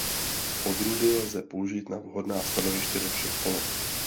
Odrůdu lze použít na vhodná stanoviště do všech poloh.